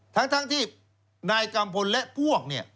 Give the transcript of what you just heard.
ทั้งที่นายกรรมพลและพวก